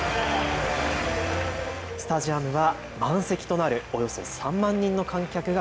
スタジアムは満席となるおよそ３万人の観客が